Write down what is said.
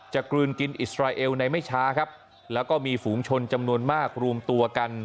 กลืนกินอิสราเอลในไม่ช้าครับแล้วก็มีฝูงชนจำนวนมากรวมตัวกัน